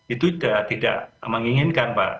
itu tidak menginginkan pak